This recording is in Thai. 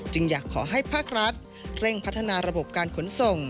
อยากขอให้ภาครัฐเร่งพัฒนาระบบการขนส่ง